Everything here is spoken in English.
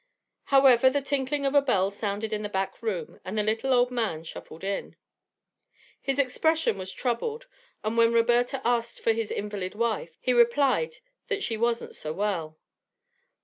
However, the tinkling of a bell sounded in the back room and the little old man shuffled in. His expression was troubled, and when Roberta inquired for his invalid wife, he replied that she wasn't so well.